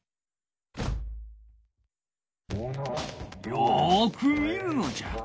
よく見るのじゃ。